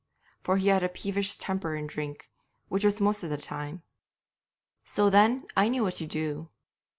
For he had a peevish temper in drink, which was most of the time. 'So then, I knew what I would do.